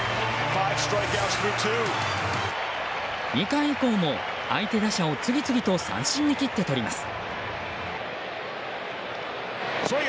２回以降も相手打者を次々と三振に切ってとります。